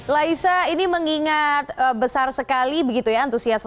laisa ini mengingat besar sekali begitu ya antusias masyarakat